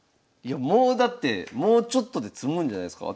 もうだってもうちょっとで詰むんじゃないすか？